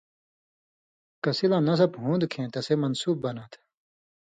کسی لا نصب ہُون٘دوۡ کھیں تسے منصُوب بناں تھہ